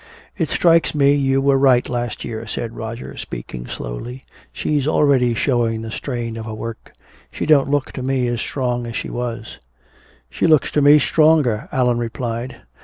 "It strikes me you were right last year," said Roger, speaking slowly. "She's already showing the strain of her work. She don't look to me as strong as she was." "She looks to me stronger," Allan replied.